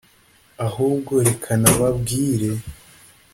Ahubwo reka nababwire